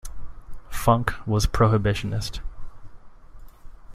Funk was a prohibitionist.